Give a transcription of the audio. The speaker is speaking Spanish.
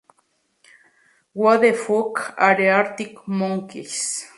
Who The Fuck Are Arctic Monkeys?